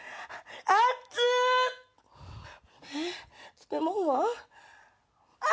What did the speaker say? ⁉漬物は？